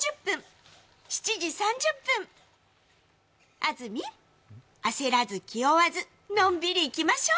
安住、焦らず気負わずのんびりいきましょう。